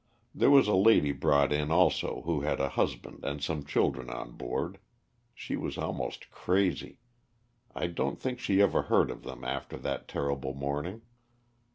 There was a lady brought in also who had a husband and some children on board. She was almost crazy. I don't think she ever heard of them after that terrible morning.